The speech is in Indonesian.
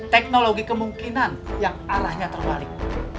teknologi kemungkinan yang arahnya terbalik